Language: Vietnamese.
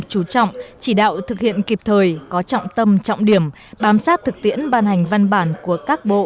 chú trọng chỉ đạo thực hiện kịp thời có trọng tâm trọng điểm bám sát thực tiễn ban hành văn bản của các bộ